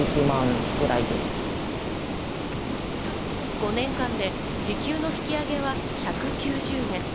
５年間で時給の引き上げは１９０円。